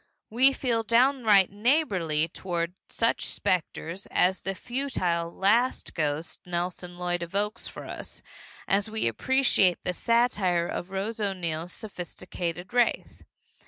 We feel downright neighborly toward such specters as the futile "last ghost" Nelson Lloyd evokes for us, as we appreciate the satire of Rose O'Neill's sophisticated wraith.